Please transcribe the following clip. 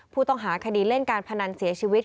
ผู้ต้องหาคดีเล่นการพนันเสียชีวิต